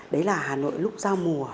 đấy là hà nội lúc giao mùa